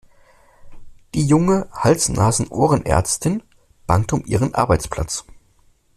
Die junge Hals-Nasen-Ohren-Ärztin bangt um ihren Arbeitsplatz.